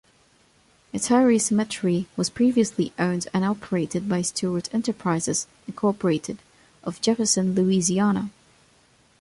Metairie Cemetery was previously owned and operated by Stewart Enterprises, Incorporated of Jefferson, Louisiana.